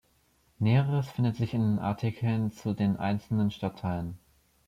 Näheres findet sich in den Artikeln zu den einzelnen Stadtteilen.